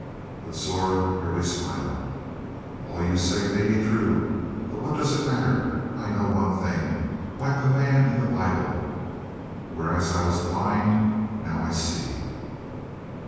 But Zora merely smiled. "All you say may be true. But what does it matter? I know one thing, like the man in the Bible: 'Whereas I was blind now I see.'"